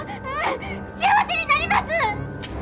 幸せになります！